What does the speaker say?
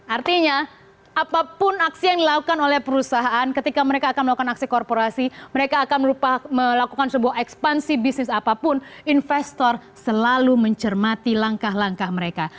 artinya apapun aksi yang dilakukan oleh perusahaan ketika mereka akan melakukan aksi korporasi mereka akan melakukan sebuah ekspansi bisnis apapun investor selalu mencermati langkah langkah mereka